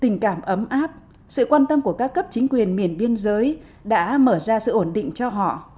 tình cảm ấm áp sự quan tâm của các cấp chính quyền miền biên giới đã mở ra sự ổn định cho họ